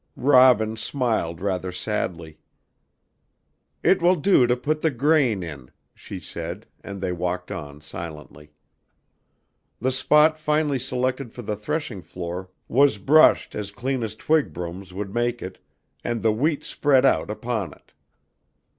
Robin smiled rather sadly. "It will do to put the grain in," she said, and they walked on silently. The spot finally selected for the threshing floor was brushed as clean as twig brooms would make it, and the wheat spread out upon it.